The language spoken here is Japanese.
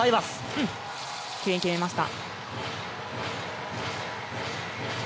うん、きれいに決めました。